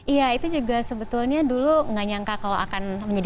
iya itu juga sebetulnya dulu nggak nyangka kalau akan menjadi